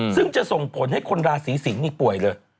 ซึ่งจะส่งผลให้คนราศีสิงศ์นี่ป่วยเลย